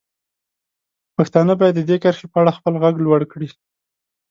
پښتانه باید د دې کرښې په اړه خپل غږ لوړ کړي.